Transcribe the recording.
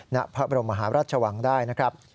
ณพระบรมมหาราชวังได้นะครับ